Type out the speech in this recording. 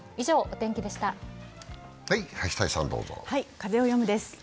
「風をよむ」です。